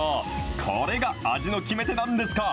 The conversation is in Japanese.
これが味の決め手なんですか。